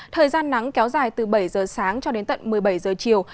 thời gian nắng kéo dài từ bảy giờ sáng cho đến tận một mươi bảy giờ chiều